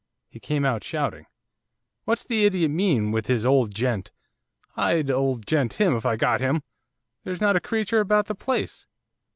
He came out shouting. 'What's the idiot mean! with his old gent! I'd old gent him if I got him! There's not a creature about the place!